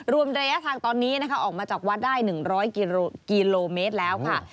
รวมระยะทางตอนนี้นะคะออกมาจากวัดได้๑๐๐กิโลเมตรแล้วค่ะ